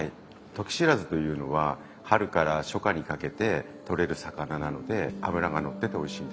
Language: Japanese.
トキシラズというのは春から初夏にかけて取れる魚なので脂がのってておいしいんです。